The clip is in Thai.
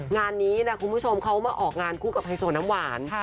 งานนี้นะคุณผู้ชมเขามาออกงานคู่กับไฮโซน้ำหวาน